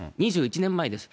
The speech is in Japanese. ２１年前です。